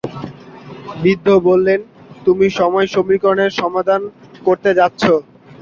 বৃদ্ধ বললেন, তুমি সময় সমীকরণের সমাধান করতে যাচ্ছ?